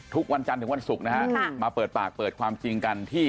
ทุกวันจันทร์ถึงวันศุกร์นะฮะมาเปิดปากเปิดความจริงกันที่